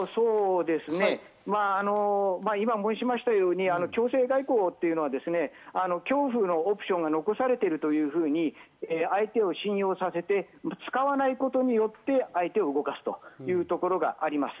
今、申しましたように強制外交というのは恐怖のオプションが残されているというふうに相手を信用させて使わないことによって、相手を動かすというところがあります。